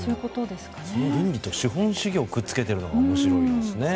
倫理と資本主義をくっつけているのが面白いですね。